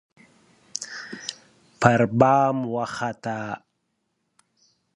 پربام وخته